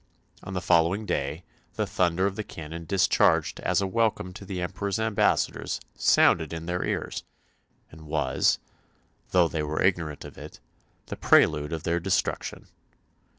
On the following day the thunder of the cannon discharged as a welcome to the Emperor's ambassadors sounded in their ears, and was, though they were ignorant of it, the prelude of their destruction.